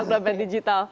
untuk dompet digital